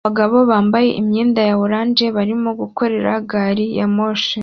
Abagabo bambaye imyenda ya orange barimo gukora gari ya moshi